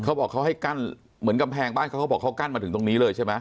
เขาบอกเขาให้กั้นเหมือนกำแพงบ้านเขาเขาบอกเขากั้นมาถึงตรงนี้เลยใช่ไหม